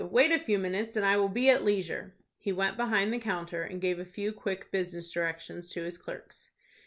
Wait a few minutes, and I will be at leisure." He went behind the counter, and gave a few quick business directions to his clerks.